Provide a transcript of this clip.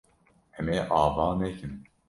Em ê ava nekin.